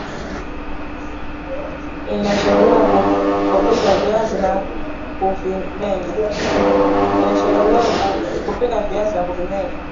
inashauriwa kupika viazi na kuvimenya